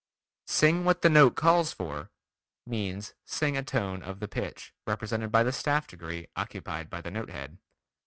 "Sing what the note calls for" means, sing a tone of the pitch represented by the staff degree occupied by the note head.